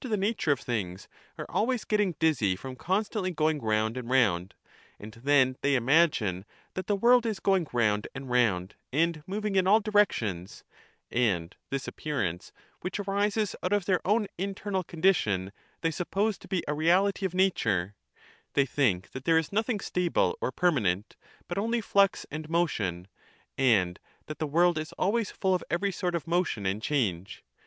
^ and therefore nature of things, are always getting dizzy from constantly they imagined going round and round, and then they imagine that the '*'^'*^^*°'^''* world is going round and round and moving in all direc round and tions : and this appearance, which arises out of their own ""ound internal condition, they suppose to be a reahty of nature ; they think that there is nothing stable or permanent, but only flux and motion, and that the world is always full of every sort of motion and change.